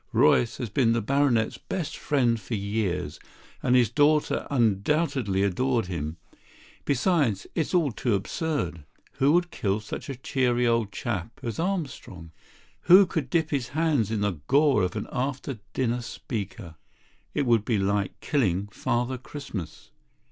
Royce has been the baronet's best friend for years; and his daughter undoubtedly adored him. Besides, it's all too absurd. Who would kill such a cheery old chap as Armstrong? Who could dip his hands in the gore of an after dinner speaker? It would be like killing Father Christmas."